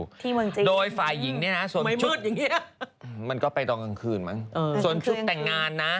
ที่เมืองจีนไม่มืดอย่างนี้มันก็ไปตอนกลางคืนมั้งส่วนชุดแต่งงานนะ